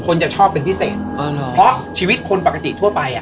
จะชอบเป็นพิเศษอ๋อเหรอเพราะชีวิตคนปกติทั่วไปอ่ะ